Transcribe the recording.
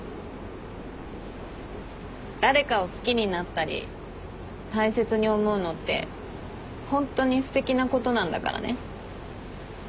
誰かを好きになったり大切に思うのってホントにすてきなことなんだからね。